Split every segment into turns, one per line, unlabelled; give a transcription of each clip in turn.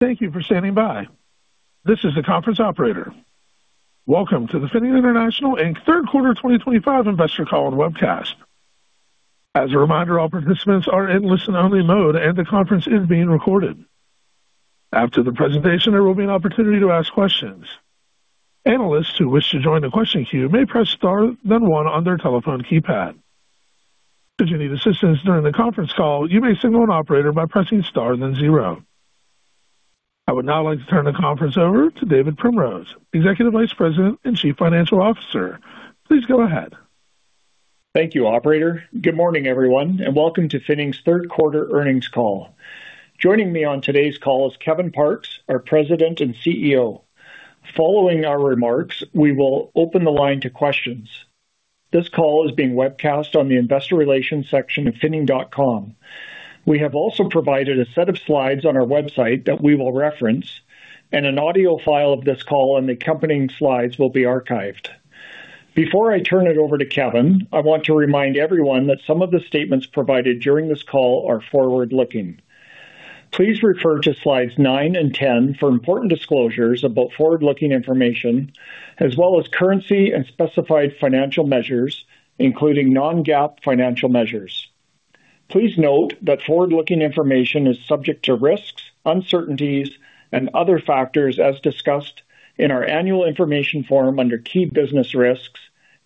Thank you for standing by. This is the conference operator. Welcome to the Finning International Inc. third quarter 2025 investor call and webcast. As a reminder, all participants are in listen only mode and the conference is being recorded. After the presentation, there will be an opportunity to ask questions. Analysts who wish to join the question queue may press star then one on their telephone keypad. If you need assistance during the conference call, you may signal an operator by pressing star then zero. I would now like to turn the conference over to David Primrose, Executive Vice President and Chief Financial Officer. Please go ahead.
Thank you, operator. Good morning everyone and welcome to Finning's third quarter earnings call. Joining me on today's call is Kevin Parkes, our President and CEO. Following our remarks, we will open the line to questions. This call is being webcast on the Investor Relations section of finning.com. We have also provided a set of slides on our website that we will reference, and an audio file of this call and the accompanying slides will be archived. Before I turn it over to Kevin, I want to remind everyone that some of the statements provided during this call are forward looking. Please refer to slides 9 and 10 for important disclosures about forward looking information as well as currency and specified financial measures, including non-GAAP financial measures. Please note that forward looking information is subject to risks, uncertainties, and other factors as discussed in our annual information form under Key Business Risks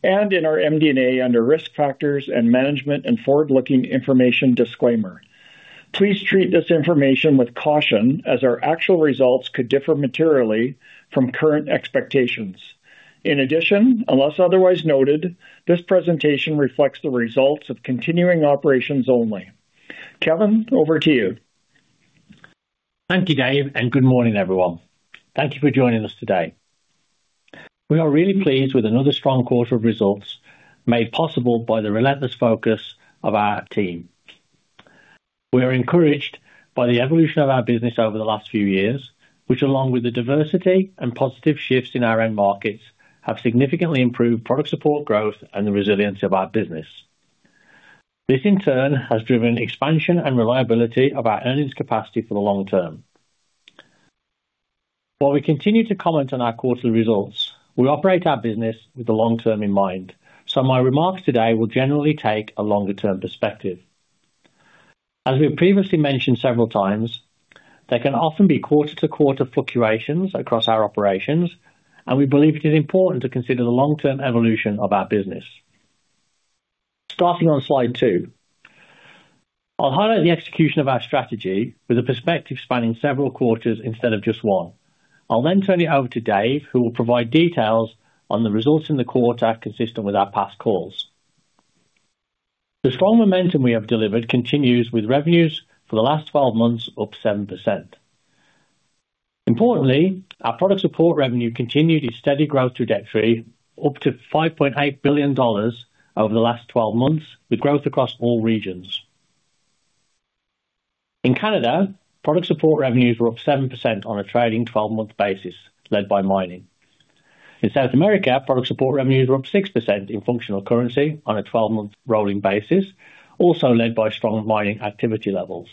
and in our MD&A under Risk Factors and Management and Forward Looking Information. Disclaimer: Please treat this information with caution as our actual results could differ materially from current expectations. In addition, unless otherwise noted, this presentation reflects the results of continuing operations only. Kevin, over to you.
Thank you, Dave, and good morning, everyone. Thank you for joining us today. We are really pleased with another strong quarter of results made possible by the relentless focus of our team. We are encouraged by the evolution of our business over the last few years, which, along with the diversity and positive shifts in our end markets, have significantly improved product support growth and the resilience of our business. This, in turn, has driven expansion and reliability of our earnings capacity for the long term. While we continue to comment on our quarterly results, we operate our business with the long term in mind, so my remarks today will generally take a longer term perspective. As we previously mentioned several times, there can often be quarter-to-quarter fluctuations across our operations, and we believe it is important to consider the long term evolution of our business. Starting on slide two, I'll highlight the execution of our strategy with a perspective spanning several quarters instead of just one. I'll then turn it over to Dave who will provide details on the results in the quarter. Consistent with our past calls, the strong momentum we have delivered continues with revenues for the last 12 months up 7%. Importantly, our product support revenue continued its steady growth through that period up to $5.8 billion over the last 12 months with growth across all regions. In Canada, product support revenues were up 7% on a trailing 12 month basis led by mining. In South America, product support revenues were up 6% in functional currency on a 12 month rolling basis, also led by strong mining activity levels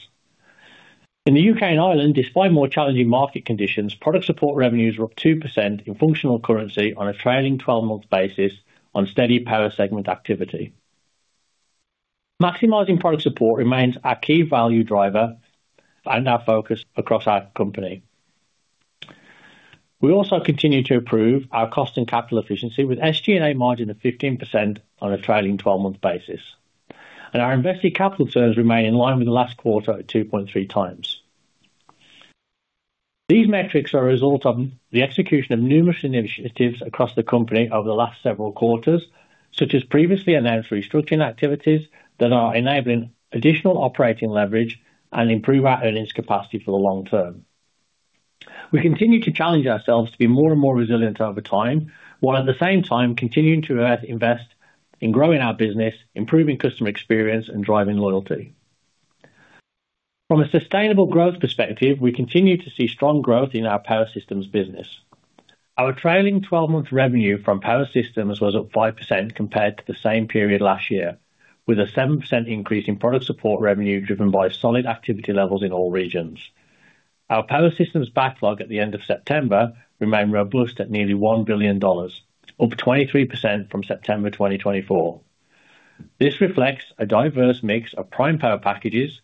in the U.K. and Ireland. Despite more challenging market conditions, product support revenues were up 2% in functional currency on a trailing 12 month basis on steady power segment activity. Maximizing product support remains our key value driver and our focus across our company. We also continue to improve our cost and capital efficiency with SG&A margin of 15% on a trailing 12 month basis and our invested capital turns remain in line with the last quarter at 2.3 times. These metrics are a result of the execution of numerous initiatives across the company over the last several quarters, such as previously announced restructuring activities that are enabling additional operating leverage and improve our earnings capacity for the long term. We continue to challenge ourselves to be more and more resilient over time while at the same time continuing to invest in growing our business, improving customer experience, and driving loyalty. From a sustainable growth perspective, we continue to see strong growth in our power systems business. Our trailing twelve month revenue from power systems was up 5% compared to the same period last year, with a 7% increase in product support revenue driven by solid activity levels in all regions. Our power systems backlog at the end of September remained robust at nearly $1 billion, up 23% from September 2023. This reflects a diverse mix of prime power packages,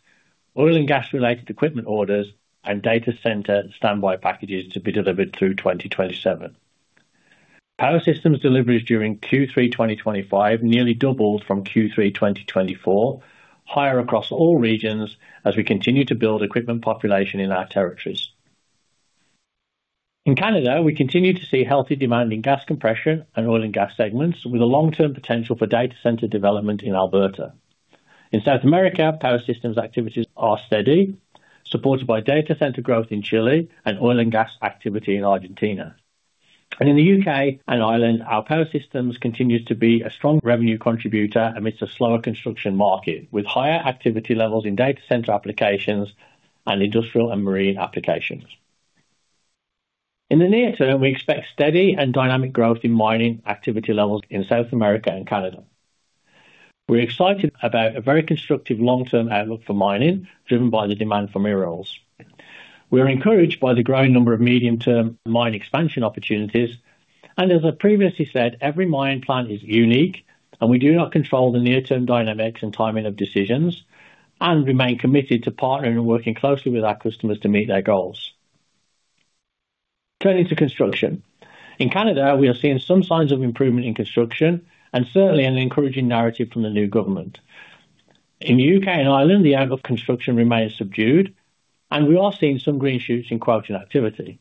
oil and gas related equipment orders, and data center standby packages to be delivered through 2027. Power systems deliveries during Q3 2025 nearly doubled from Q3 2024, higher across all regions as we continue to build equipment population in our territories. In Canada, we continue to see healthy demand in gas compression and oil and gas segments with a long-term potential for data center development in Alberta. In South America, power systems activities are steady, supported by data center growth in Chile and oil and gas activity in Argentina and in the U.K. and Ireland. Our power systems continues to be a strong revenue contributor amidst a slower construction market with higher activity levels in data center applications and industrial and marine applications. In the near term, we expect steady and dynamic growth in mining activity levels in South America and Canada. We're excited about a very constructive long-term outlook for mining driven by the demand for minerals. We are encouraged by the growing number. Of medium term mine expansion opportunities and as I previously said, every mining plant is unique and we do not control the near term dynamics and timing of decisions and remain committed to partnering and working closely with our customers to meet their goals. Turning to construction in Canada, we are seeing some signs of improvement in construction and certainly an encouraging narrative from the new government. In the U.K. and Ireland, the angle of construction remains subdued and we are seeing some green shoots in quoting activity.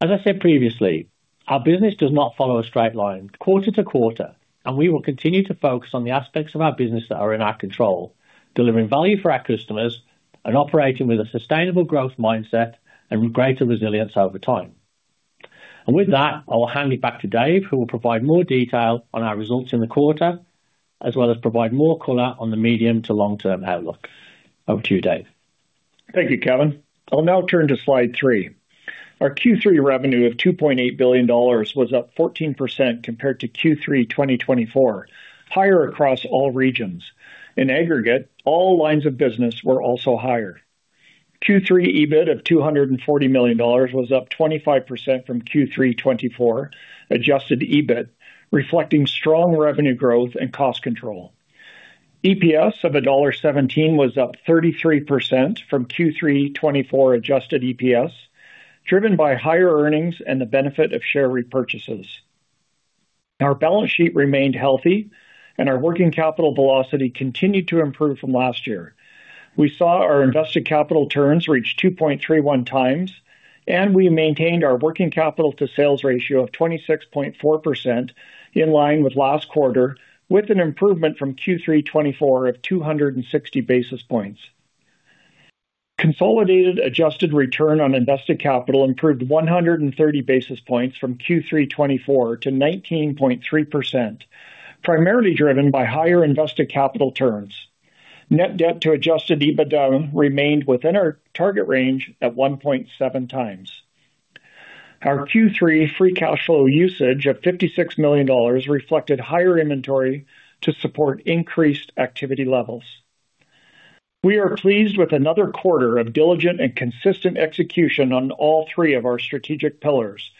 As I said previously, our business does not follow a straight line quarter to quarter and we will continue to focus on the aspects of our business that are in our control, delivering value for our customers and operating with a sustainable growth mindset and greater resilience over time. I will hand it back to Dave who will provide more detail on our results in the quarter as well as provide more color on the medium to long term outlook. Over to you Dave.
Thank you, Kevin. I'll now turn to slide 3. Our Q3 revenue of $2.8 billion was up 14% compared to Q3 2024, higher across all regions. In aggregate, all lines of business were also higher. Q3 EBIT of $240 million was up 25% from Q3 2024 adjusted EBIT, reflecting strong revenue growth and cost control. EPS of $1.17 was up 33% from Q3 2024 adjusted EPS, driven by higher earnings and the benefit of share repurchases. Our balance sheet remained healthy and our working capital velocity continued to improve from last year. We saw our invested capital turns reach 2.31 times and we maintained our working capital to sales ratio of 26.4%, in line with last quarter, with an improvement from Q3 2024 of 260 basis points. Consolidated adjusted return on invested capital improved 130 basis points from Q3 2024 to 19.3%, primarily driven by higher invested capital turns. Net debt to adjusted EBITDA remained within our target range at 1.7 times. Our Q3 free cash flow usage of $56 million reflected higher inventory to support increased activity levels. We are pleased with another quarter of diligent and consistent execution on all three of our strategic pillars,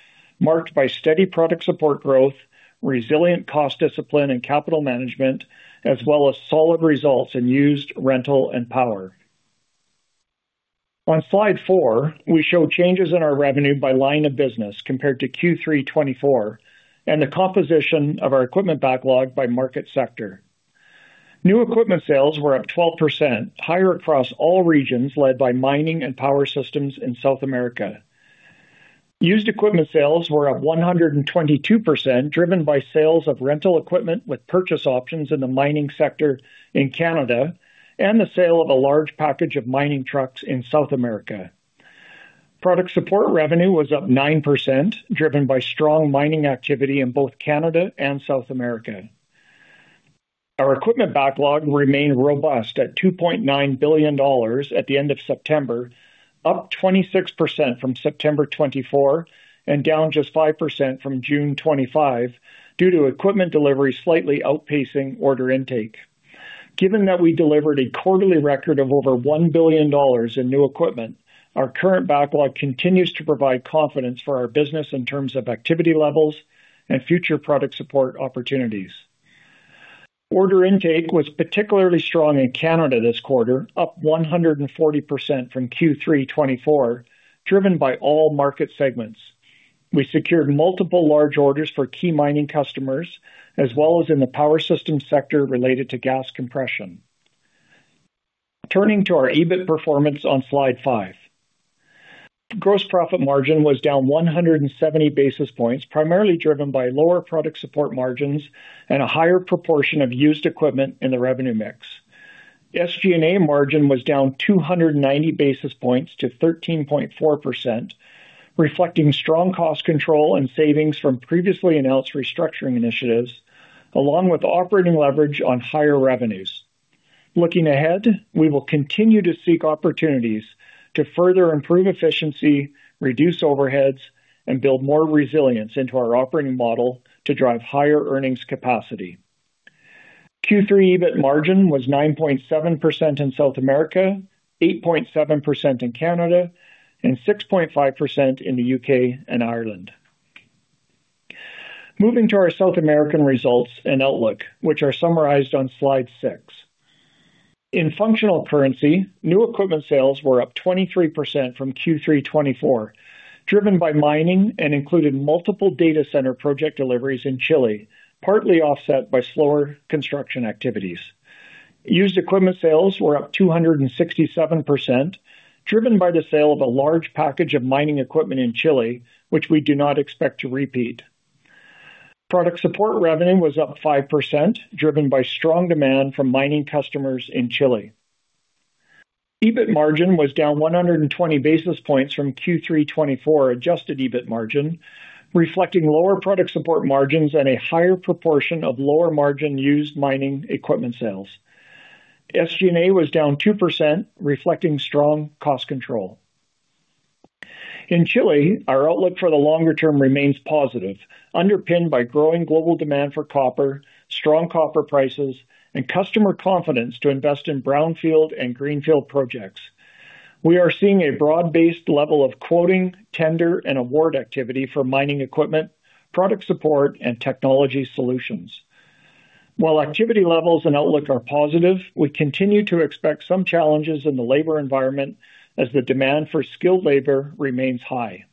marked by steady product support growth, resilient cost discipline and capital management, as well as solid results in used, rental, and power. On slide 4, we show changes in our revenue by line of business compared to Q3 2024 and the composition of our equipment backlog by market sector. New equipment sales were up 12% across all regions, led by mining and power systems in South America. Used equipment sales were up 122%, driven by sales of rental equipment with purchase options in the mining sector in Canada and the sale of a large package of mining trucks in South America. Product support revenue was up 9% driven by strong mining activity in both Canada and South America. Our equipment backlog remained robust at $2.9 billion at the end of September, up 26% from September 2024 and down just 5% from June 2025 due to equipment delivery, slightly outpacing order intake. Given that we delivered a quarterly record of over $1 billion in new equipment, our current backlog continues to provide confidence for our business in terms of activity levels and future product support opportunities. Order intake was particularly strong in Canada this quarter, up 140% from Q3 2024 driven by all market segments. We secured multiple large orders for key mining customers as well as in the power systems sector related to gas compression. Turning to our EBIT performance on slide 5, gross profit margin was down 170 basis points, primarily driven by lower product support margins and a higher proportion of used equipment in the revenue mix. SG&A margin was down 290 basis points to 13.4% reflecting strong cost control and savings from previously announced restructuring initiatives along with operating leverage on higher revenues. Looking ahead, we will continue to seek opportunities to further improve efficiency, reduce overheads and build more resilience into our operating model to drive higher earnings capacity. Q3 EBIT margin was 9.7% in South America, 8.7% in Canada and 6.5% in the U.K. and Ireland. Moving to our South American results and outlook, which are summarized on slide 6 in functional currency, new equipment sales were up 23% from Q3 2024 driven by mining and included multiple data center project deliveries in Chile, partly offset by slower construction activities. Used equipment sales were up 267% driven by the sale of a large package of mining equipment in Chile, which we do not expect to repeat. Product support revenue was up 5% driven by strong demand from mining customers in Chile. EBIT margin was down 120 basis points from Q3 2024 adjusted EBIT margin reflecting lower product support margins and a higher proportion of lower margin used mining equipment sales. SG&A was down 2% reflecting strong cost control in Chile. Our outlook for the longer term remains positive, underpinned by growing global demand for copper, strong copper prices and customer confidence to invest in brownfield and greenfield projects. We are seeing a broad-based level of quoting, tender and award activity for mining equipment, product support and technology solutions. While activity levels and outlook are positive, we continue to expect some challenges in the labor environment as the demand for skilled labor remains high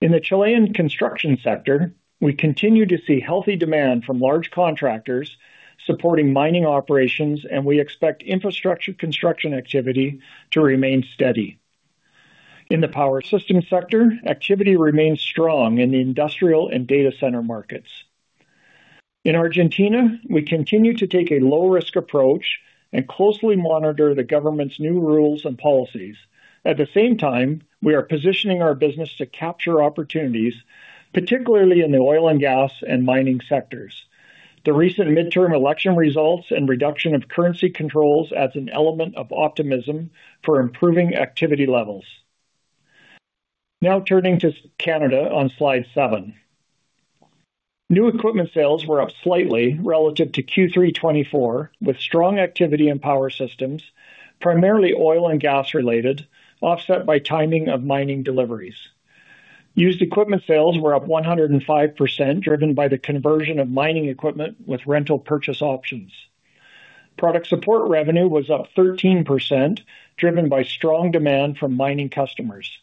in the Chilean construction sector. We continue to see healthy demand from large contractors supporting mining operations, and we expect infrastructure construction activity to remain steady in the power systems sector. Activity remains strong in the industrial and data center markets. In Argentina, we continue to take a low risk approach and closely monitor the government's new rules and policies. At the same time, we are positioning our business to capture opportunities, particularly in the oil and gas and mining sectors. The recent midterm election results and reduction of currency controls adds an element of optimism for improving activity levels. Now turning to Canada on slide 7, new equipment sales were up slightly relative to Q3 2024 with strong activity in power systems, primarily oil and gas related, offset by timing of mining deliveries. Used equipment sales were up 105% driven by the conversion of mining equipment with rental purchase options. Product support revenue was up 13% driven by strong demand from mining customers.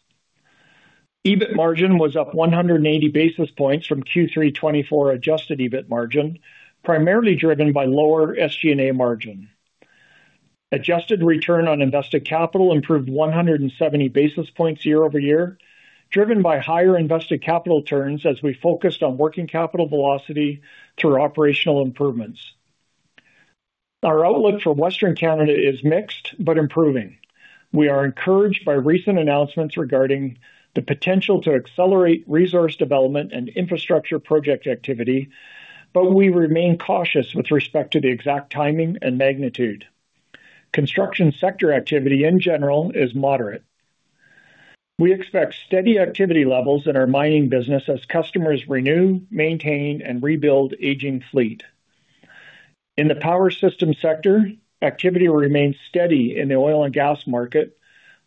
EBIT margin was up 180 basis points from Q3 2024. Adjusted EBIT margin primarily driven by lower SG&A margin. Adjusted return on invested capital improved 170 basis points year-over-year driven by higher invested capital turns as we focused on working capital velocity through operational improvements. Our outlook for Western Canada is mixed but improving. We are encouraged by recent announcements regarding the potential to accelerate resource development and infrastructure project activity, but we remain cautious with respect to the exact timing and magnitude. Construction sector activity in general is moderate. We expect steady activity levels in our mining business as customers renew, maintain and rebuild aging fleet. In the power systems sector, activity remains steady in the oil and gas market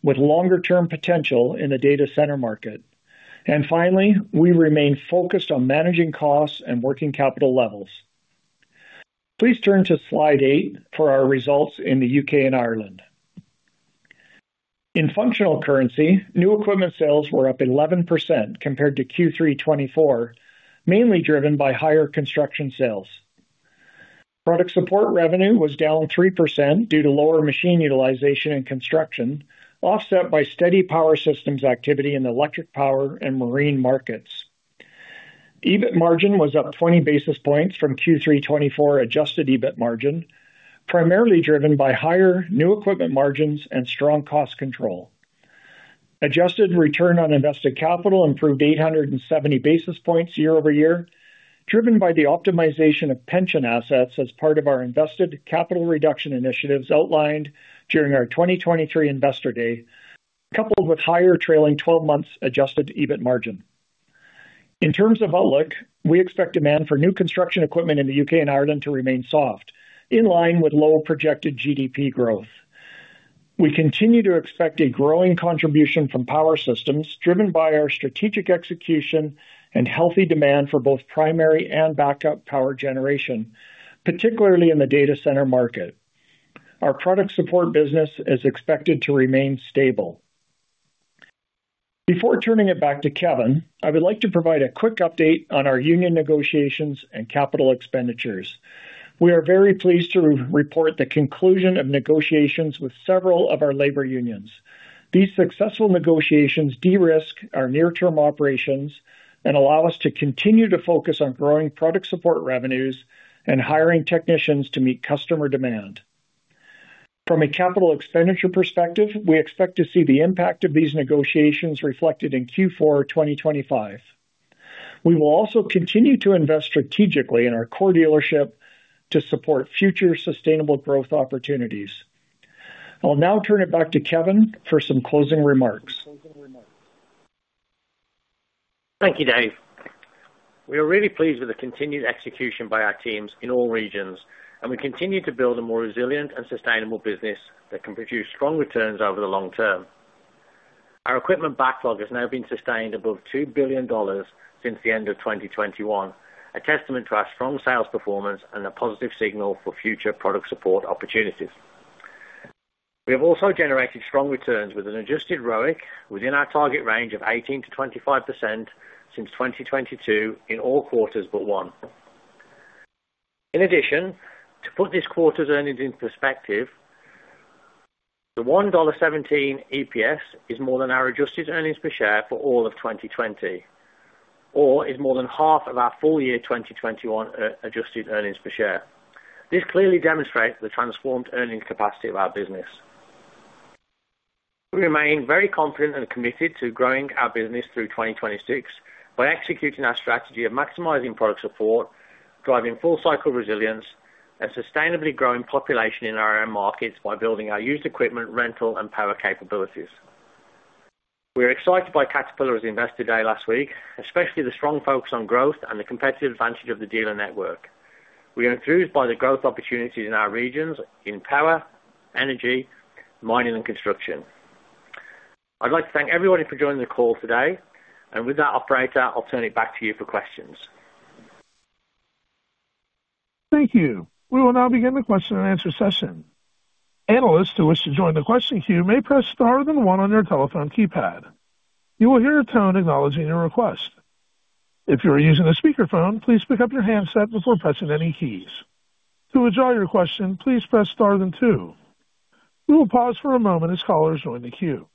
with longer term potential in the data center market. Finally, we remain focused on managing costs and working capital levels. Please turn to slide 8 for our results. In the U.K. and Ireland in functional currency, new equipment sales were up 11% compared to Q3 2024, mainly driven by higher construction sales. Product support revenue was down 3% due to lower machine utilization in construction, offset by steady power systems activity. In the electric, power and marine markets, EBIT margin was up 20 basis points from Q3 2024. Adjusted EBIT margin was primarily driven by higher new equipment margins and strong cost control. Adjusted return on invested capital improved 870 basis points year-over-year driven by the optimization of pension assets as part of our invested capital reduction initiatives outlined during our 2023 Investor Day, coupled with higher trailing 12 months adjusted EBIT margin. In terms of outlook, we expect demand for new construction equipment in the U.K. and Ireland to remain soft in line with low projected GDP growth. We continue to expect a growing contribution from power systems driven by our strategic execution and healthy demand for both primary and backup power generation, particularly in the data center market. Our product support business is expected to remain stable. Before turning it back to Kevin, I would like to provide a quick update on our union negotiations and capital expenditures. We are very pleased to report the conclusion of negotiations with several of our labor unions. These successful negotiations de-risk our near-term operations and allow us to continue to focus on growing product support revenues and hiring technicians to meet customer demand. From a capital expenditure perspective, we expect to see the impact of these negotiations reflected in Q4 2025. We will also continue to invest strategically in our core dealership to support future sustainable growth opportunities. I will now turn it back to Kevin for some closing remarks.
Thank you, Dave. We are really pleased with the continued execution by our teams in all regions, and we continue to build a more resilient and sustainable business that can produce strong returns over the long term. Our equipment backlog has now been sustained above $2 billion since the end of 2021, a testament to our strong sales performance and a positive signal for future product support opportunities. We have also generated strong returns with an adjusted return on invested capital within our target range of 18%-25% since 2022 in all quarters but one. In addition, to put this quarter's earnings into perspective, the $1.17 EPS is more than our adjusted earnings per share for all of 2020 or is more than half of our full year 2021 adjusted earnings per share. This clearly demonstrates the transformed earnings capacity of our business. We remain very confident and committed to growing our business through 2026 by executing our strategy of maximizing product support, driving full cycle resilience, and sustainably growing population in our end markets by building our used equipment, rental, and power capabilities. We are excited by Caterpillar at the Investor Day last week, especially the strong focus on growth and the competitive advantage of the dealer network. We are enthused by the growth opportunities in our regions in power, energy, mining, and construction. I'd like to thank everybody for joining the call today, and with that, operator, I'll turn it back to you for questions.
Thank you. We will now begin the question and answer session. Analysts who wish to join the question queue may press star then one on your telephone keypad. You will hear a tone acknowledging your request. If you are using a speakerphone, please pick up your handset before pressing any keys. To withdraw your question, please press star then two. We will pause for a moment as callers join the queue.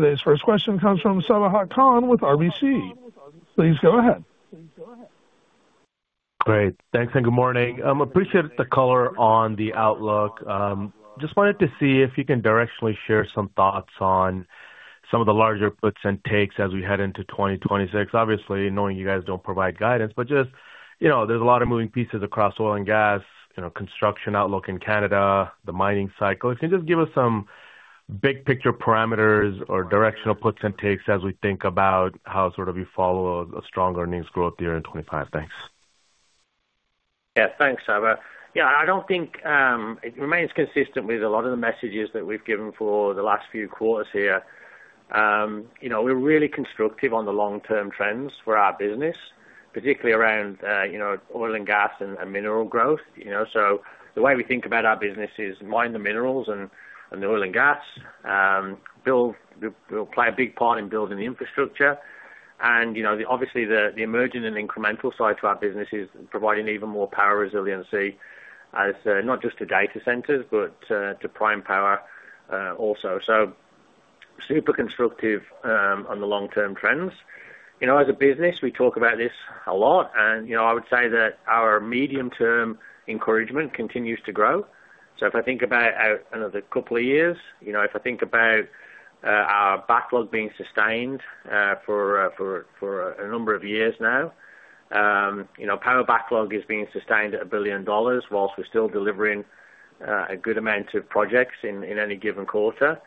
Today's first question comes from Sabahat Khan with RBC. Please go ahead.
Great. Thanks and good morning. Appreciate the color on the outlook. Just wanted to see if you can. Directionally share some thoughts on some of the larger puts and takes as we head into 2026. Obviously knowing you guys do not provide guidance but just, you know, there is a lot of moving pieces across oil and gas, you know, construction outlook in Canada, the mining cycle. If you just give us some big picture parameters or directional puts and takes as we think about how sort of you follow a strong earnings growth year in 2025. Thanks.
Yes, thanks Sabah. Yes, I think it remains consistent with a lot of the messages that we have given for the last few quarters here. We are really constructive on the long term trends for our business, particularly around oil and gas and mineral growth. The way we think about our business is mine. The minerals and the oil and gas play a big part in building the infrastructure and obviously the emerging and incremental side to our business is providing even more power resiliency as not just to data centers but to prime power also. Super constructive on the long term trends as a business. We talk about this a lot and I would say that our medium term encouragement continues to grow. If I think about another couple of years, you know, if I think about our backlog being sustained for a number of years now, you know, power backlog is being sustained at $1 billion whilst we're still delivering a good amount of projects in any given quarter.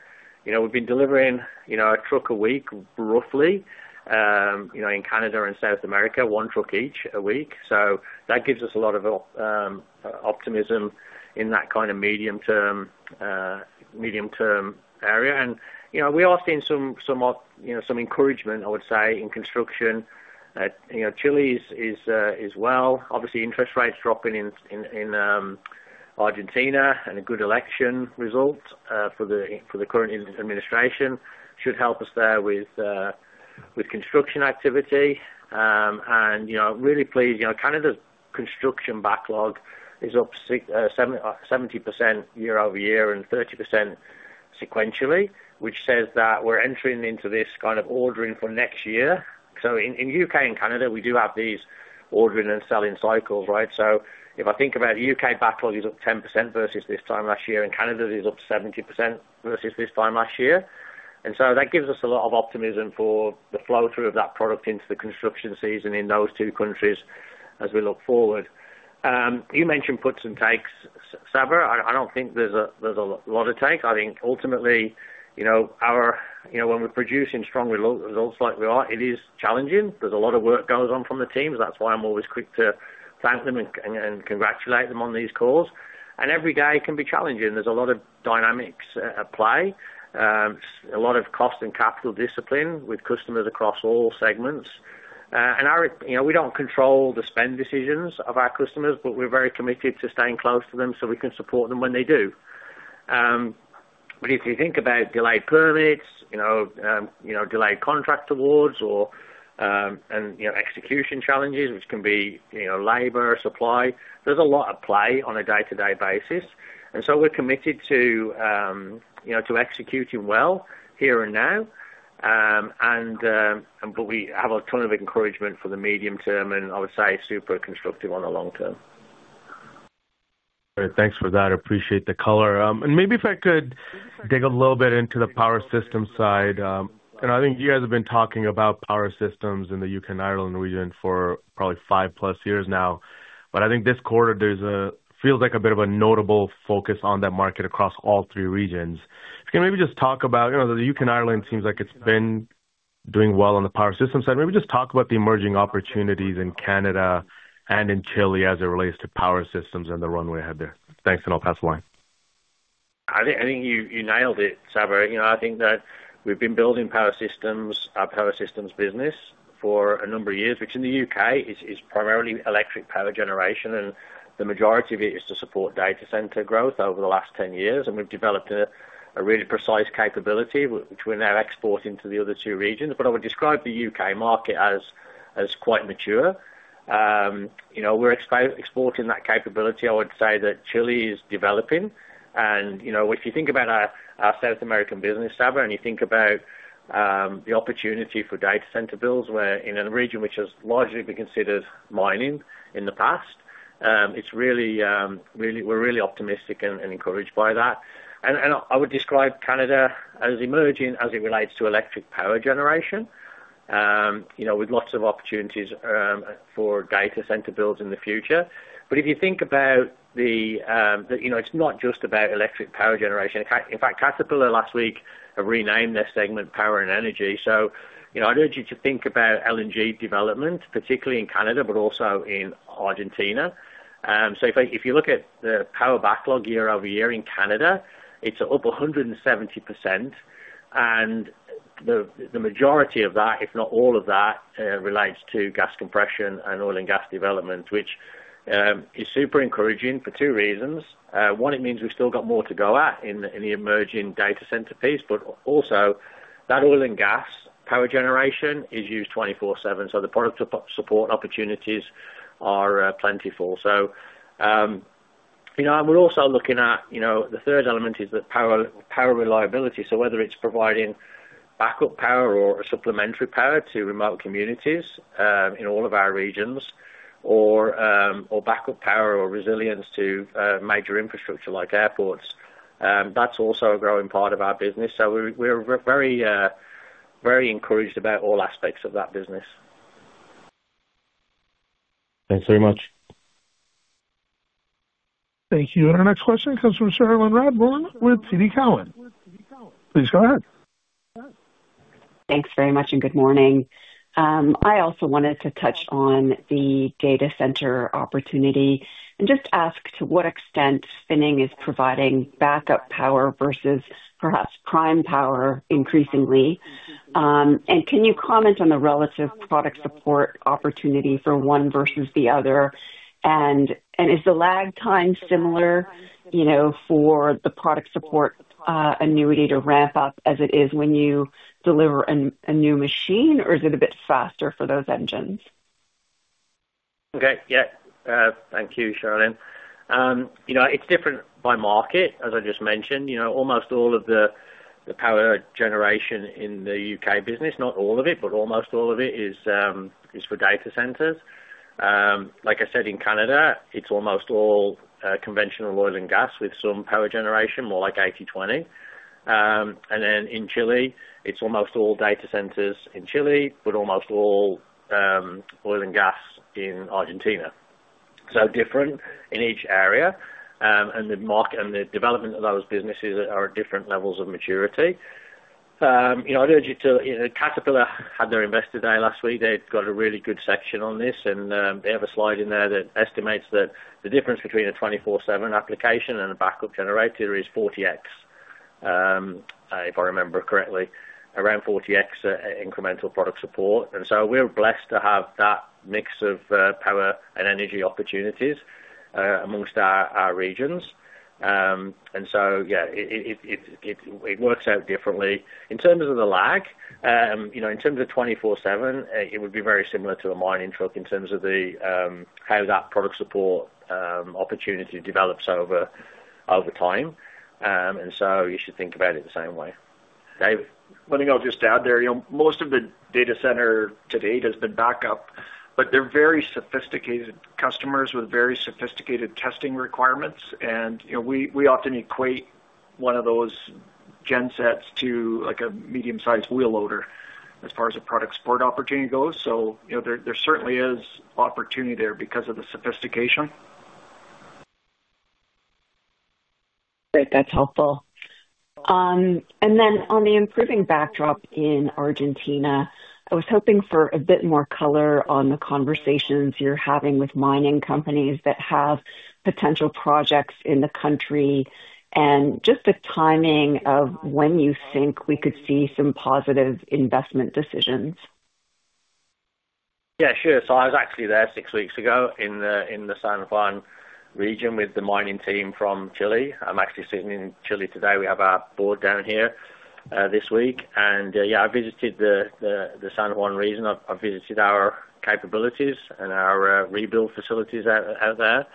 You know, we've been delivering a truck a week roughly in Canada and South America, one truck each a week. That gives us a lot of optimization optimism in that kind of medium term area. We are seeing some encouragement, I would say, in construction. Chile is, well, obviously interest rates dropping in Argentina and a good election result for the current administration should help us there with construction activity. Really pleased Canada's construction backlog is up 70% year-over-year and 30% sequentially, which says that we are entering into this kind of ordering for next year. In the U.K. and Canada, we do have these ordering and selling cycles, right. If I think about the U.K., backlog is up 10% versus this time last year, and Canada is up 70% versus this time last year, and that gives us a lot of optimism for the flow through of that product into the construction season in those two countries. As we look forward, you mentioned puts and takes. Sabahat, I do not think there is a lot of takes. I think ultimately, you know, our, you know, when we are producing strong results like we are, it is challenging. There is a lot of work goes on from the teams. That is why I am always quick to thank them and congratulate them on these calls. Every day can be challenging. There is a lot of dynamics at play, a lot of cost and capital discipline with customers across all segments. We do not control the spend decisions of our customers, but we are very committed to staying close to them so we can support them when they do. If you think about delayed permits, delayed contract awards and execution challenges which can be labor supply, there is a lot of play on a day to day basis. We're committed to executing well here and now. We have a ton of encouragement for the medium term, and I would say super constructive on the long term.
Thanks for that. Appreciate the color, and maybe if I could dig a little bit into the power systems side. I think you guys have been talking about power systems in the U.K. and Ireland region for probably five plus years now, but I think this quarter there's a, feels like a bit of a notable focus on that market across all three regions. Can maybe just talk about, you know. The U.K. and Ireland seems like it's been doing well on the power systems side. Maybe just talk about the emerging opportunities in Canada and in Chile as it relates to power systems and the runway ahead there. Thanks and I'll pass the line.
I think you nailed it, Sabahat. You know, I think that we've been building power systems, our power systems business for a number of years which in the U.K. is primarily electric power generation. The majority of it is to support data center growth over the last 10 years. We've developed a really precise capability which we're now exporting to the other two regions. I would describe the U.K. market as quite mature. You know, we're exporting that capability. I would say that Chile is developing and, you know, if you think about our South American business, Sabahat, and you think about the opportunity for data center builds, we're in a region which has largely been considered mining in the past. We're really optimistic and encouraged by that. I would describe Canada as emerging as it relates to electric power generation with lots of opportunities for data center builds in the future. If you think about it, it's not just about electric power generation. In fact, Caterpillar last week have renamed their segment Power and Energy. I'd urge you to think about LNG development, particularly in Canada, but also in Argentina. If you look at the power backlog year-over-year in Canada, it's up 170%. The majority of that, if not all of that, relates to gas compression and oil and gas development, which is super encouraging. Particularly, one, it means we've still got more to go at in the emerging data center piece, but also that oil and gas power generation is used 24/7, so the product support opportunities are plentiful. We're also looking at the third element is the power reliability. Whether it's providing backup power or supplementary power to remote communities in all of our regions or backup power or resilience to major infrastructure like airports, that's also a growing part of our business. We're very, very encouraged about all aspects of that business.
Thanks very much.
Thank you. Our next question comes from Cherilyn Radbourne with TD Cowen. Please go ahead.
Thanks very much and good morning. I also wanted to touch on the data center opportunity and just ask to what extent Finning is providing backup power versus perhaps prime power increasingly. Can you comment on the relative product support opportunity for one versus the other? Is the lag time similar, you know, for the product support annuity to ramp up as it is when you deliver a new machine, or is it a bit faster for those engines?
Okay, yeah, thank you, Cherilyn. You know, it's different by market, as I just mentioned. You know, almost all of the power generation in the U.K. business, not all of it, but almost all of it is for data centers. Like I said, in Canada, it's almost all conventional oil and gas with some power generation, more like 80-20. In Chile, it's almost all data centers, but almost all oil and gas in Argentina. Different in each area. The market and the development of those businesses are at different levels of maturity. You know, I'd urge you to, Caterpillar had their Investor Day last week. They've got a really good section on this, and they have a slide in there that estimates that the difference between a 24/7 application and a backup generator is 40x, if I remember correctly, around 40x incremental product support. We are blessed to have that mix of Power and Energy opportunities amongst our regions. It works out differently in terms of the lag. In terms of 24/7, it would be very similar to a mining truck in terms of how that product support opportunity develops over time. You should think about it the same way. David.
One thing I'll just add there. Most of the data center to date has been backup, but they're very sophisticated customers with very sophisticated testing requirements. We often equate one of those gensets to a medium sized wheel loader as far as the product support opportunity goes. There certainly is opportunity there because of the sophistication.
Great, that's helpful.
On the improving backdrop in Argentina, I was hoping for a bit more color on the conversations you're having with mining companies that have potential projects in the country and just the timing of when you think we could see some positive investment decisions.
Yeah, sure. I was actually there six weeks ago in the San Juan region with the mining team from Chile. I'm actually sitting in Chile today. We have our board down here this week. Yeah, I visited the San Juan region. I visited our capabilities and our rebuild facilities out there.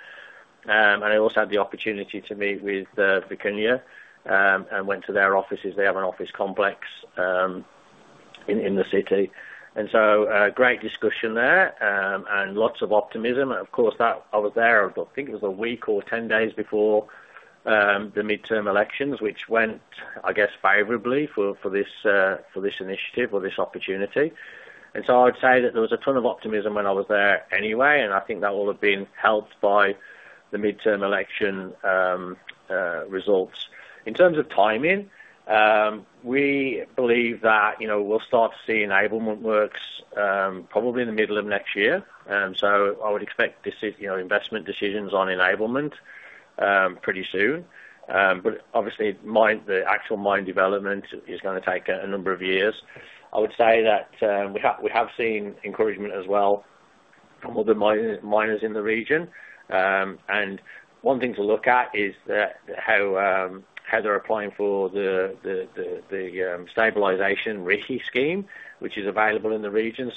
I also had the opportunity to meet with Vicuña and went to their offices. They have an office complex in the city. Great discussion there and lots of optimism. Of course, I was there, I think it was a week or 10 days before the midterm elections, which went, I guess, favorably for this initiative or this opportunity. I would say that there was a ton of optimism when I was there anyway. I think that will have been helped by the midterm election results. In terms of timing. We believe that we'll start to see enablement works probably in the middle of next year. I would expect investment decisions on enablement pretty soon. Obviously, the actual mine development is going to take a number of years. I would say that we have seen encouragement as well from all the miners in the region. One thing to look at is how they're applying for the stabilization RIGI scheme, which is available in the region.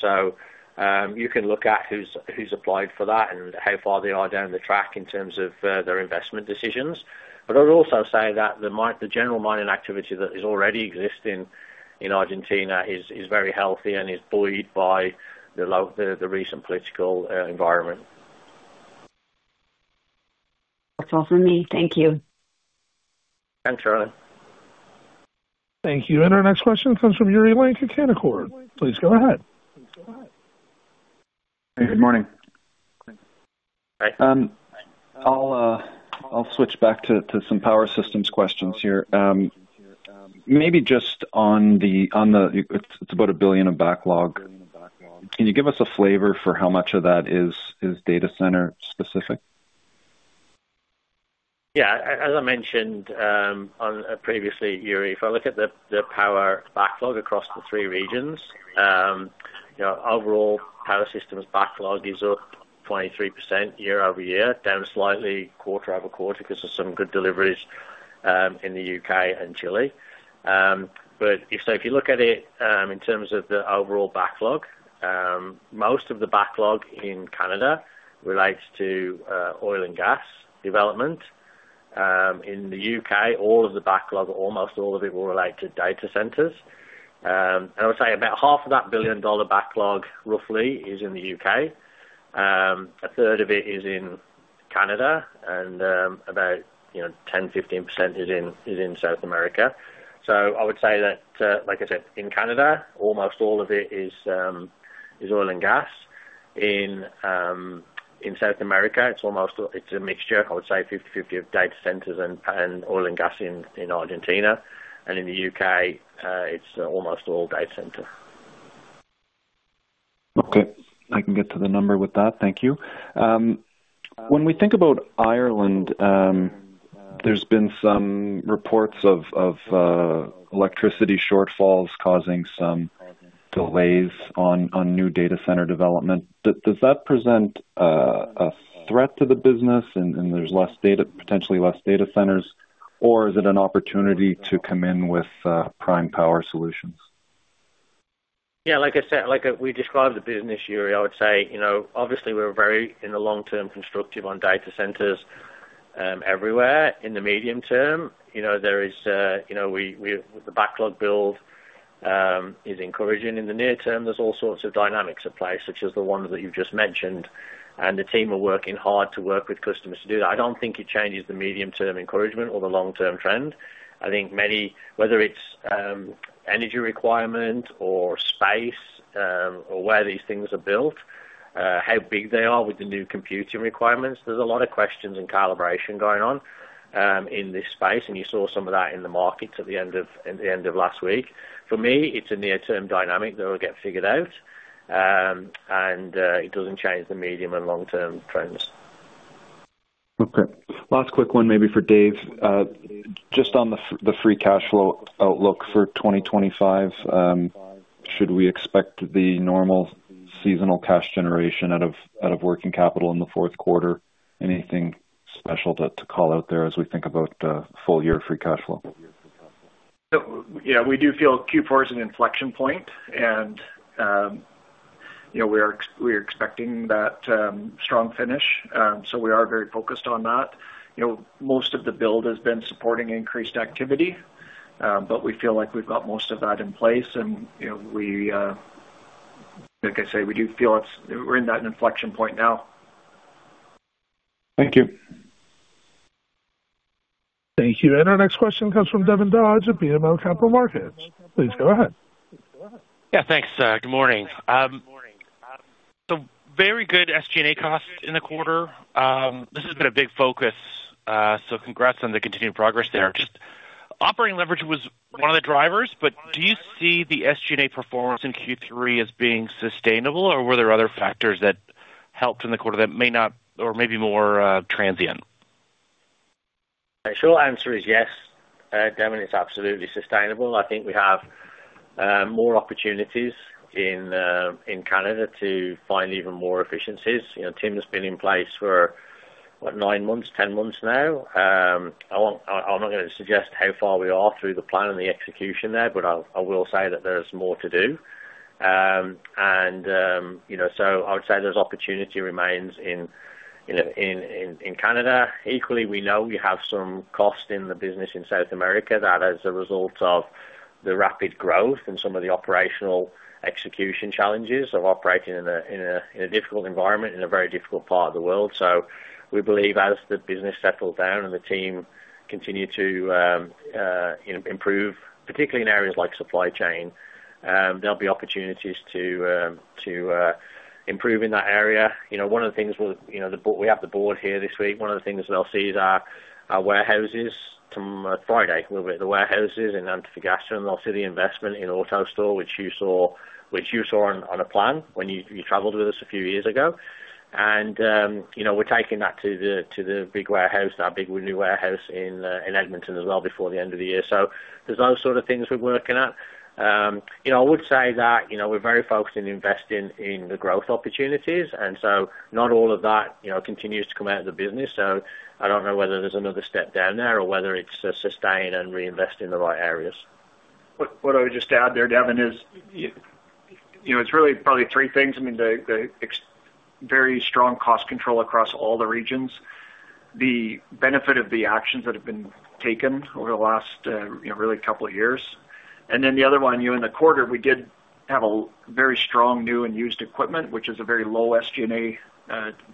You can look at who's applied for that and how far they are down the track in terms of their investment decisions. I'd also say that the general mining activity that is already existing in Argentina is very healthy and is buoyed by the recent political environment.
That's all from me. Thank you.
Thanks, Cherilyn.
Thank you. Our next question comes from Yuri Lynk with Canaccord. Please go ahead.
Good morning. I'll switch back to some power systems questions here. Maybe just on the, it's about $1 billion of backlog. Can you give us a flavor for how much of that is data center specific?
Yeah, as I mentioned previously, Yuri, if I look at the power backlog across the three regions, overall power systems backlog is up 23% year-over-year, down slightly quarter-over-quarter because of some good deliveries in the U.K. and Chile. If you look at it in terms of the overall backlog, most of the backlog in Canada relates to oil and gas development. In the U.K., almost all of the backlog will relate to data centers. I would say about half of that billion dollar backlog, roughly, is in the U.K., a third of it is in Canada, and about, you know, 10%-15% is in South America. I would say that, like I said, in Canada, almost all of it is oil and gas. In South America, it's almost a mixture, I would say 50-50 of data centers and oil and gas in Argentina and in the U.K. it's almost all data center.
Okay, I can get to the number with that, thank you. When we think about Ireland, there's been some reports of electricity shortfalls causing some delays on new data center development. Does that present a threat to the business and there's less data, potentially less data centers, or is it an opportunity to come in with prime power solutions?
Yeah, like I said, like we described the business, Yuri, I would say obviously we're very in the long term constructive on data centers everywhere. In the medium term, the backlog build is encouraging. In the near term, there are all sorts of dynamics at play such as the ones that you've just mentioned and the team are working hard to work with customers to do that. I don't think it changes the medium term encouragement or the long term trend. I think many, whether it's energy requirement or space or where these things are built, how big they are with the new computing requirements. There's a lot of questions and calibration going on in this space and you saw some of that in the markets at the end of last week. For me, it's a near-term dynamic that will get figured out and it doesn't change the medium and long-term trends.
Okay, last quick one. Maybe for Dave, just on the free cash flow outlook for 2025, should we expect the normal seasonal cash generation out of working capital in the fourth quarter? Anything special to call out there as we think about full year free cash flow?
Yeah, we do feel Q4 is an inflection point and we are expecting that strong finish. We are very focused on that. Most of the build has been supporting increased activity, but we feel like we've got most of that in place. Like I say, we do feel it's, we're in that inflection point now.
Thank you.
Thank you. Our next question comes from Devin Dodge of BMO Capital Markets. Please go ahead.
Yeah, thanks. Good morning. Very good SG&A costs in the quarter. This has been a big focus, so congrats on the continued progress there. Just operating leverage was one of the drivers. Do you see the SG&A performance in Q3 as being sustainable, or were there other factors that helped in the quarter that may not or may be more transient?
Short answer is yes, Devin, it's absolutely sustainable. I think we have more opportunities in Canada to find even more efficiencies. Tim has been in place for nine months, 10 months now. I'm not going to suggest how far we are through the plan and the execution there, but I will say that there's more to do. I would say there's opportunity remains in Canada. Equally, we know we have some cost in the business in South America that as a result of the rapid growth and some of the operational execution challenges of operating in a difficult environment in a very difficult part of the world. We believe as the business settles down and the team continue to improve, particularly in areas like supply chain, there'll be opportunities to improve in that area. One of the things, we have the board here this week, one of the things they'll see is our warehouses. Friday we'll be at the warehouses in Antofagasta and they'll see the investment in AutoStore, which you saw on a plan when you traveled with us a few years ago. We are taking that to the big warehouse, that big new warehouse in Edmonton as well before the end of the year. There are those sort of things we're working at. I would say that we're very focused in investing in the growth opportunities, and not all of that continues to come out of the business. I do not know whether there's another step down there or whether it is sustain and reinvest in the right areas.
What I would just add there, Devin, is it's really probably three things. I mean, the very strong cost control across all the regions, the benefit of the actions that have been taken over the last really couple of years. Then the other one in the quarter, we did have a very strong new and used equipment, which is a very low SG&A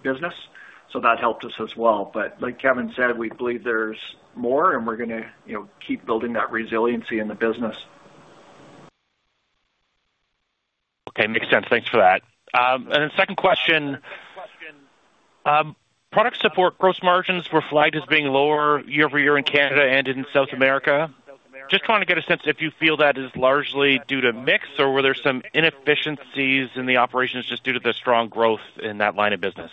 business. That helped us as well. Like Kevin said, we believe there's more and we're going to keep building that resiliency in the business.
Okay, makes sense. Thanks for that. Second question. Product support gross margins were flagged as being lower year-over-year in Canada and in South America. Just trying to get a sense if you feel that is largely due to mix or were there some inefficiencies in the operations just due to the strong. Growth in that line of business?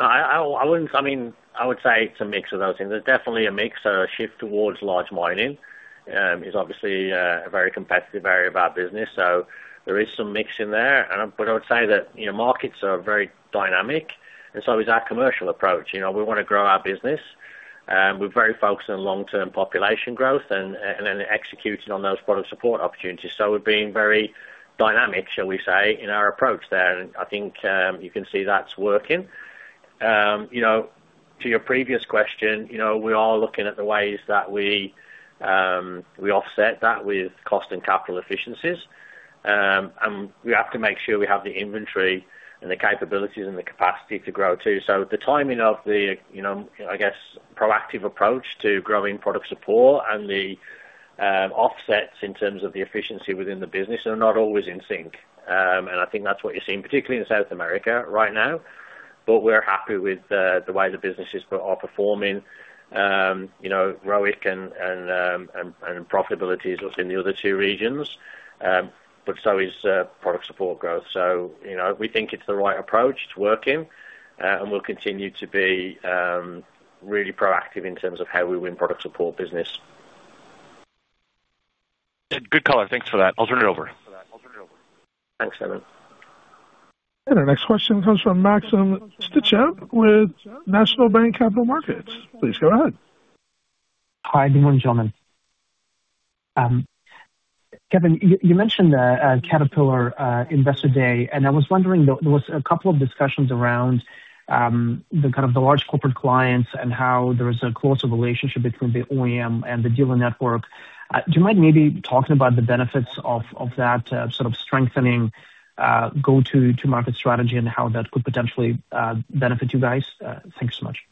I would say it's a mix of those things. There's definitely a mix. Shift towards large mining is obviously a very competitive area of our business. There is some mix in there. I would say that markets are very dynamic and so is our commercial approach. We want to grow our business. We're very focused on long term population growth and then executing on those product support opportunities. We're being very dynamic, shall we say, in our approach there. I think you can see that's working. You know, to your previous question, we are looking at the ways that we offset that with cost and capital efficiencies and we have to make sure we have the inventory and the capabilities and the capacity to grow too. The timing of the, you know, I guess proactive approach to growing product support and the offsets in terms of the efficiency within the business are not always in sync. I think that's what you're seeing particularly in South America right now. We're happy with the way the businesses are performing. ROIC and profitability is within the other two regions, but so is product support growth. We think it's the right approach to working and we'll continue to be really proactive in terms of how we win product support business.
Good color. Thanks for that. I'll turn it over.
Thanks, Devin.
Our next question comes from Maxim Sytchev with National Bank Capital Markets. Please go ahead.
Hi, good morning, gentlemen. Kevin, you mentioned Caterpillar Investor Day and I was wondering, there was a couple of discussions around the kind of the large corporate clients and how there is a closer relationship between the OEM and the dealer network. Do you mind maybe talking about the. Benefits of that sort of strengthening go. To market strategy and how that could potentially benefit you guys? Thank you so much.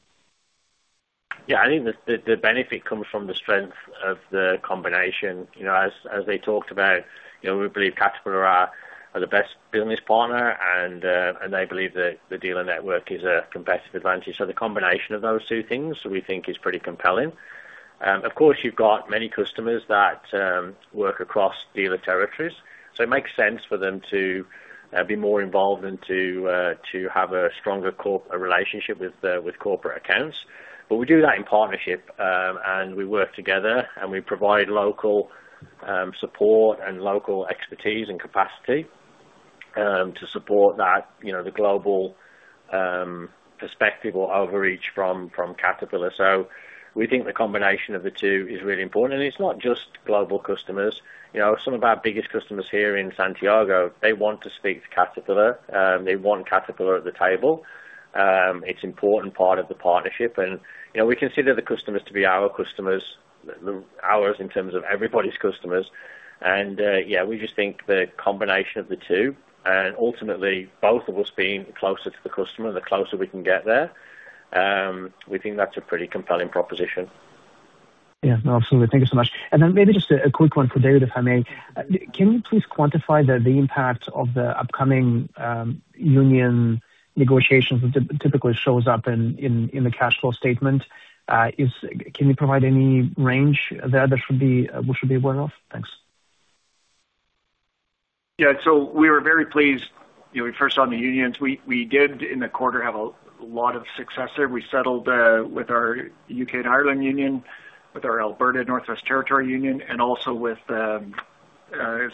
Yeah, I think the benefit comes from the strength of the combination. You know, as they talked about, we believe Caterpillar are the best business partner and they believe that the dealer network is a competitive advantage. The combination of those two things we think is pretty compelling. Of course, you've got many customers that work across dealer territories, so it makes sense for them to be more involved and to have a stronger corporate relationship with corporate accounts. We do that in partnership and we work together and we provide local support and local expertise and capacity to support the global perspective or overreach from Caterpillar. We think the combination of the two is really important. It's not just global customers. Some of our biggest customers here in Santiago, they want to speak to Caterpillar. They want Caterpillar at the table. It's an important part of the partnership. We consider the customers to be our customers, ours in terms of everybody's customers. Yes, we just think the combination of the two and ultimately both of us being closer to the customer, the closer we can get there, we think that's a pretty compelling proposition.
Yeah, absolutely. Thank you so much. Maybe just a quick one for David, if I may. Can you please quantify the impact of the upcoming union negotiations that typically shows up in the cash flow statement? Can you provide any range there that we should be aware of? Thanks.
Yeah. We were very pleased we first saw the unions we did in the quarter have a lot of success there. We settled with our U.K. and Ireland union, with our Alberta Northwest Territory union, and also with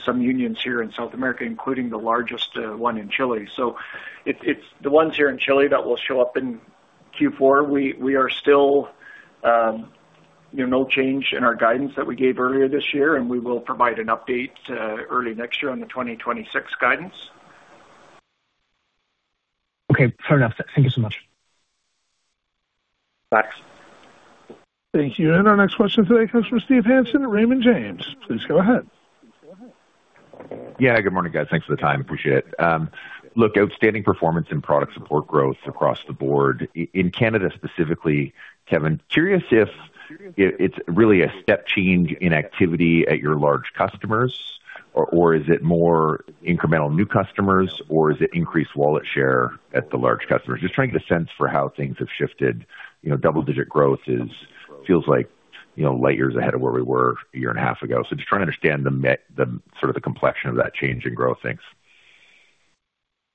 some union strategies here in South America, including the largest one in Chile. It is the ones here in Chile that will show up in Q4. There is still no change in our guidance that we gave earlier this year, and we will provide an update early next year on the 2026 guidance.
Okay, fair enough. Thank you so much. Thanks.
Thank you. Our next question today comes from Steve Hansen, Raymond James. Please go ahead.
Yeah, good morning guys. Thanks for the time. Appreciate it. Look, outstanding performance in product support growth across the board in Canada specifically. Kevin, curious if it is really a step change in activity at your large customers or is it more incremental new customers or is it increased wallet share at the large customers? Just trying to get a sense for how things have shifted. Double digit growth feels like light years ahead of where we were a year and a half ago. Just trying to understand the complexion of that change in growth things.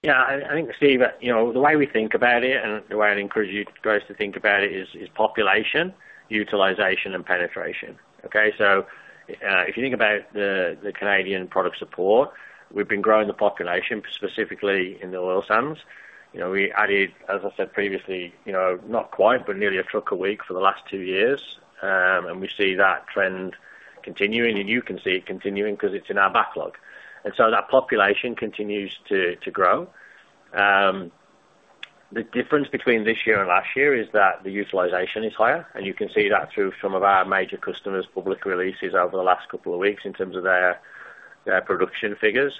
Yeah, I think Steve, the way we think about it and the way I encourage you guys to think about it is population utilization and penetration. If you think about the Canadian product support, we've been growing the population specifically in the oil sands. We added, as I said previously, not quite, but nearly a truck a week for the last two years. We see that trend continuing, and you can see it continuing because it is in our backlog. That population continues to grow. The difference between this year and last year is that the utilization is higher. You can see that through some of our major customers' public releases over the last couple of weeks in terms of their production figures.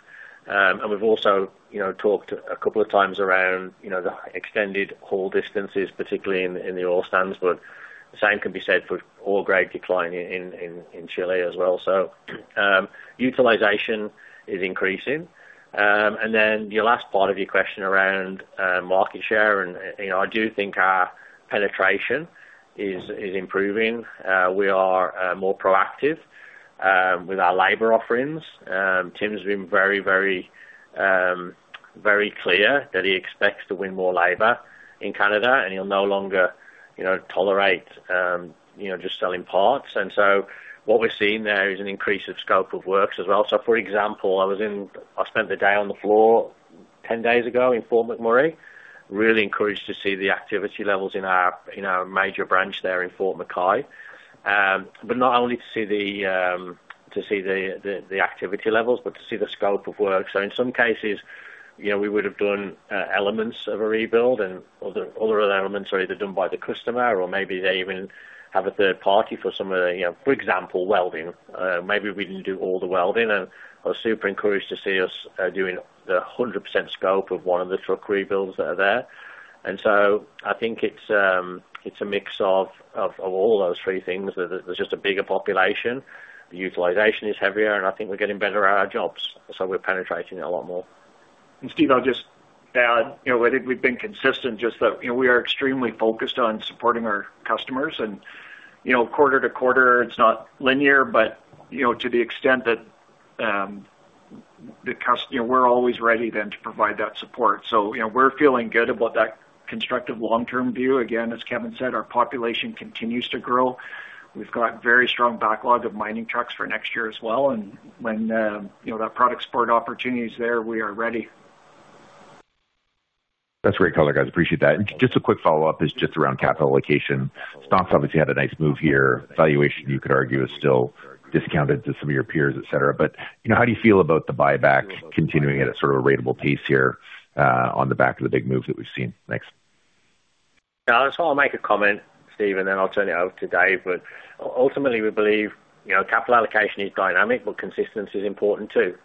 We have also talked a couple of times around the extended haul distances, particularly in the oil sands. The same can be said for oil grade decline in Chile as well. Utilization is increasing. Your last part of your question around market share, I do think our penetration is improving. We are more proactive with our labor offerings. Tim's been very, very, very clear that he expects to win more labor in Canada and he'll no longer tolerate just selling parts. What we're seeing there is an increase of scope of works as well. For example, I spent the day on the floor 10 days ago in Fort McMurray, really encouraged to see the activity levels in our major branch there in Fort MacKay. Not only to see the activity levels but to see the scope of work. In some cases we would have done elements of a rebuild and other elements are either done by the customer or maybe they even have a third party for some of the, for example, welding. Maybe we did not do all the welding. I was super encouraged to see us doing the 100% scope of one of the truck rebuilds that are there. I think it is a mix of all those three things. There is just a bigger population, the utilization is heavier, and I think we are getting better at our jobs so we are penetrating a lot more.
Steve, I'll just add we've been consistent just that we are extremely focused on supporting our customers and quarter to quarter it's not linear but to the extent that the customer, we're always ready then to provide that support. We are feeling good about that constructive long term view. Again, as Kevin said, our population continues to grow. We've got very strong backlog of mining trucks for next year as well. When that product support opportunity is there, we are ready.
That's great color, guys. Appreciate that. Just a quick follow up is just around capital allocation. Stocks obviously had a nice move here. Valuation, you could argue, is still discounted to some of your peers, et cetera. How do you feel about the buyback continuing at a sort of a ratable pace here on the back of.
The big moves that we've seen. I'll make a comment, Steve, and then I'll turn it over to Dave. Ultimately, we believe capital allocation is dynamic, but consistency is important too,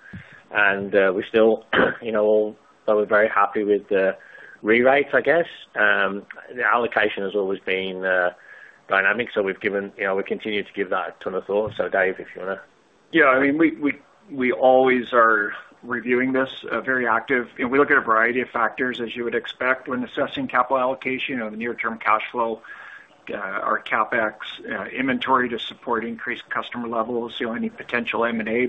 and we still were very happy with the re-rates. I guess the allocation has always been dynamic. We've given, you know, we continue to give that a ton of thought. Dave, if you want to.
Yeah, I mean we always are reviewing this very active and we look at a variety of factors as you would expect when assessing capital allocation on the near term cash flow, our CapEx inventory to support increased customer levels, you know, any potential M&A.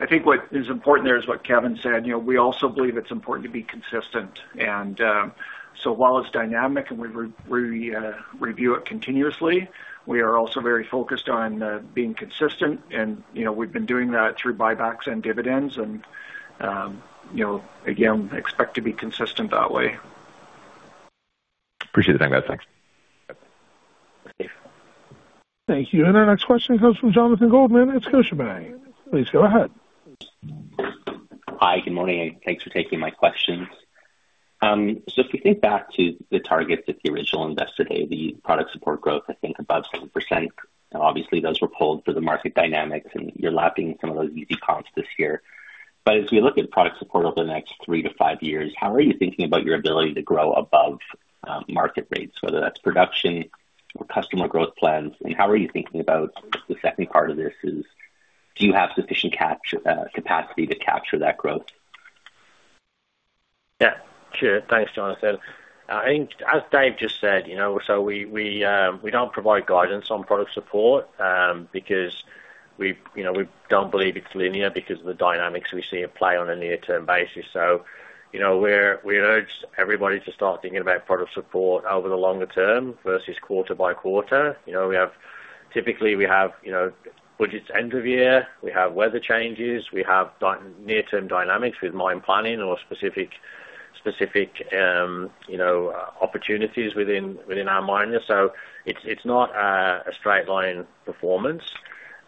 I think what is important there is what Kevin said. You know, we also believe it's important to be consistent, consistent. While it's dynamic and we review it continuously, we are also very focused on being consistent. We've been doing that through buybacks and dividends and again expect to be consistent that way.
Appreciate the time guys, thanks.
Thank you. Our next question comes from Jonathan Goldman with Scotiabank. Please go ahead.
Hi, good morning. Thanks for taking my questions. If we think back to the. Targets at the original Investor Day, the product support growth, I think above 7%, obviously those were pulled for the market dynamics and you're lapping some of those. Easy comps this year. As we look at product support. Over the next three to five years. How are you thinking about your ability to grow above market rates, whether that's. Production or customer growth plans? How are you thinking about the second part of this? Do you have sufficient capacity to capture that growth?
Yes, sure. Thanks, Jonathan. I think as Dave just said, we do not provide guidance on product support because we do not believe it is linear because of the dynamics we see at play on a near term basis. We urge everybody to start thinking about product support over the longer term versus quarter by quarter. You know, we have budgets end of year, we have weather changes, we have near term dynamics with mine planning or specific, specific, you know, opportunities within our miners. It is not a straight line performance.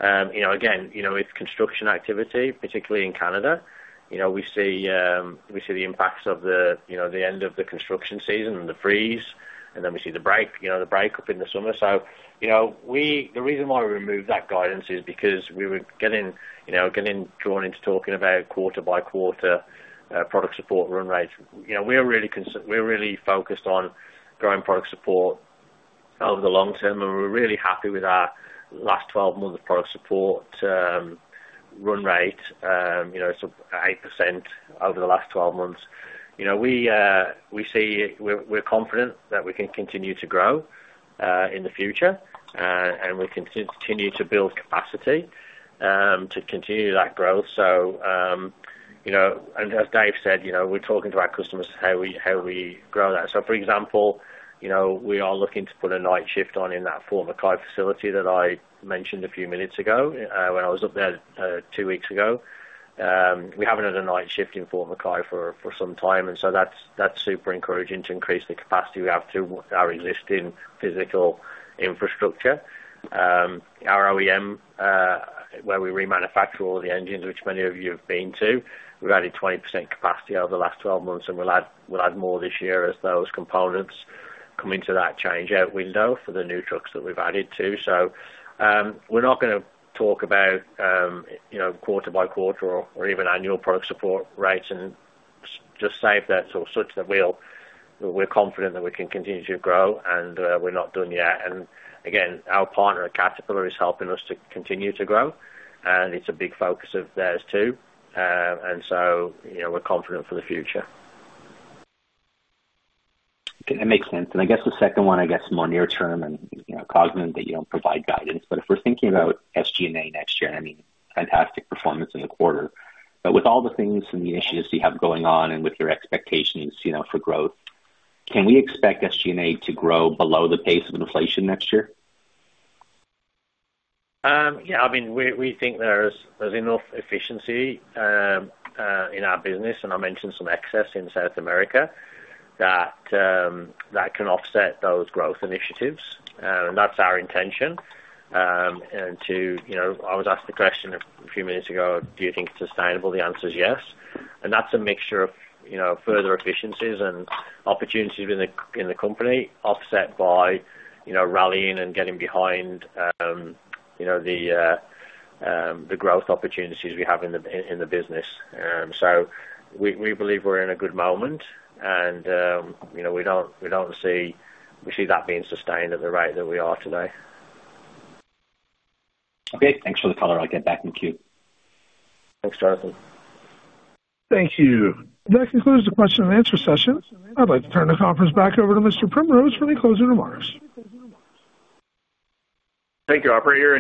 You know, again, with construction activity, particularly in Canada, we see the impacts of the end of the construction season, the freeze, and then we see the breakup in the summer. The reason why we removed that guidance is because we were getting drawn into talking about quarter by quarter product support run rates. We're really focused on growing product support over the long term, and we're really happy with our last 12 months of product support run rate, 8% over the last 12 months. We're confident that we can continue to grow in the future, and we can continue to build capacity to continue that growth. As Dave said, we're talking to our customers about how we grow that. For example, we are looking to put a night shift on in that former Kay facility that I mentioned a few minutes ago when I was up there two weeks ago. We have not had a night shift in Fort MacKay for some time and so that is super encouraging to increase the capacity we have through our existing physical infrastructure, our OEM where we remanufacture all the engines which many of you have been to. We have added 20% capacity over the last 12 months and we will add more this year as those components come into that change out window for the new trucks that we have added too. We are not going to talk about quarter by quarter or even annual product support rates and just save that such that we are confident that we can continue to grow and we are not done yet. Our partner at Caterpillar is helping us to continue to grow and it is a big focus of theirs too. We are confident that for the future.
That makes sense. I guess the second one, I guess more near term and cognizant that you do not provide guidance. If we're thinking about SG&A next year, I mean fantastic performance in the quarter. With all the things and the. Initiatives you have going on and with. Your expectations for growth, can we expect SG&A to grow below the pace of inflation next year?
Yeah, I mean we think there's enough efficiency in our business and I mentioned some excess in South America that can offset those growth initiatives and that's our intention. I was asked the question a few minutes ago, do you think it's sustainable? The answer is yes. That's a mixture of further efficiencies and opportunities in the company offset by rallying and getting behind the growth opportunities we have in the business. We believe we're in a good moment and you know, we don't see, we see that being sustained at the rate that we are today.
Okay, thanks for the color. I'll get back in queue.
Thanks Jonathan.
Thank you. That concludes the question and answer session. I'd like to turn the conference back over to Mr. Primrose for any closing remarks.
Thank you, operator.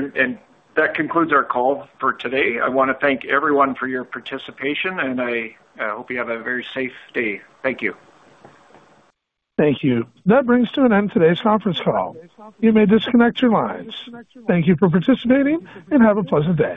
That concludes our call for today. I want to thank everyone for your participation and I hope you have a very safe day. Thank you.
Thank you. That brings to an end today's conference call. You may disconnect your lines. Thank you for participating and have a pleasant day.